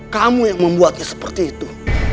kamu yang membuatnya seperti itu